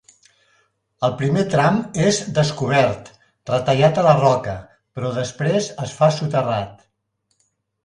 El primer tram és descobert, retallat a la roca, però després es fa soterrat.